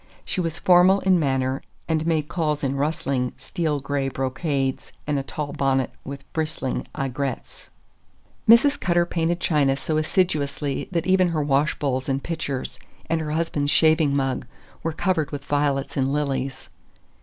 She was formal in manner, and made calls in rustling, steel gray brocades and a tall bonnet with bristling aigrettes. Mrs. Cutter painted china so assiduously that even her washbowls and pitchers, and her husband's shaving mug, were covered with violets and lilies.